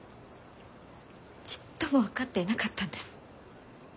ちっとも分かっていなかったんです。